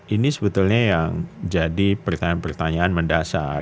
ini sebetulnya yang jadi pertanyaan pertanyaan mendasar